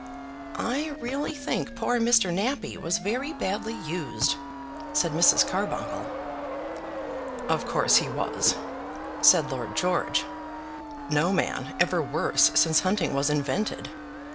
"I really think poor Mr. Nappie was very badly used," said Mrs. Carbuncle. "Of course he was," said Lord George; "no man ever worse since hunting was invented.